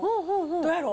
どやろ。